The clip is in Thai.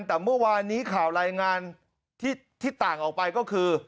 แต่เมื่อวานนี้ข่าวรายงานที่ต่างออกไปก็คือ